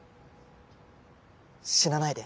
死なないで。